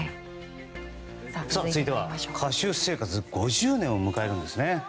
続いては歌手生活５０年を迎えるんですね。